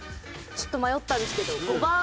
ちょっと迷ったんですけど５番。